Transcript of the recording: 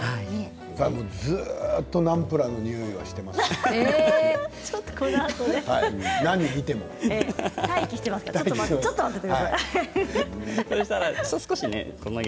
ずっとナムプラーのにおいは、していますよ。